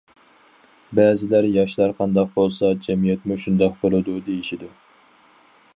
بەزىلەر ياشلار قانداق بولسا، جەمئىيەتمۇ شۇنداق بولىدۇ دېيىشىدۇ.